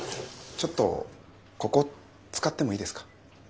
ちょっとここ使ってもいいですか。